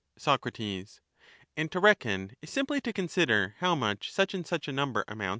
Soc, And to reckon is simply to consider how much such and such a number amounts to